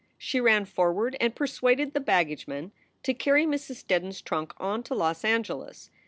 She ran forward and persuaded the baggageman to carry Mrs. Steddon s trunk on to Los Angeles.